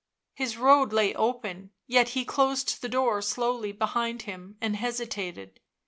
His road lay open; yet he closed the door slowly behind him and hesitated.